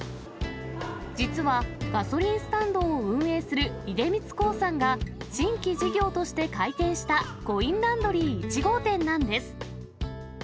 実は、ガソリンスタンドを運営する出光興産が、新規事業として開店した、コインランドリー１号店なんです。